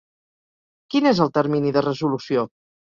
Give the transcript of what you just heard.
Quin és el termini de resolució?